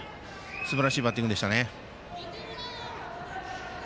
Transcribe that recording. すばらしいバッティングでしたね。